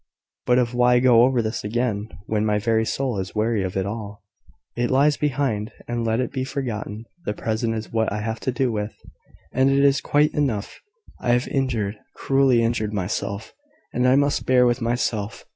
But why go over this again, when my very soul is weary of it all? It lies behind, and let it be forgotten. The present is what I have to do with, and it is quite enough. I have injured, cruelly injured myself; and I must bear with myself.